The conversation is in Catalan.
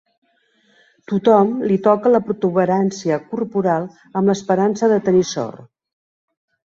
Tothom li toca la protuberància corporal amb l'esperança de tenir sort.